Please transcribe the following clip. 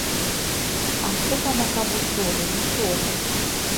А што тамака вучоны, вучоны!